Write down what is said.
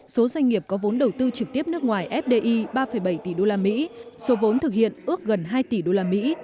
số doanh nghiệp có vốn đầu tư trực tiếp nước ngoài fdi ba bảy tỷ usd số vốn thực hiện ước gần hai tỷ usd